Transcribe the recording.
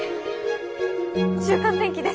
週間天気です。